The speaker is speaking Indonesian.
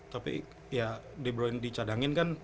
tapi ya de bruyne dicadangin kan